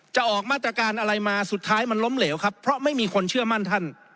ออกมาตรการอะไรมาสุดท้ายมันล้มเหลวครับเพราะไม่มีคนเชื่อมั่นท่าน